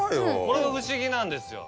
これが不思議なんですよ。